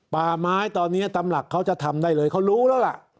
ป่าไม้ตอนนี้ตำหลักเขาจะทำได้เลยเขารู้แล้วล่ะ